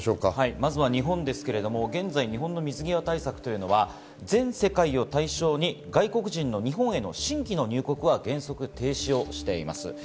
まず日本ですが、水際対策というのは全世界を対象に外国人の日本への新規の入国は原則停止しています。